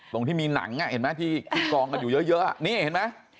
ตรงที่มีหนังที่คลิกกองอยู่เยอะนี่เห็นไหม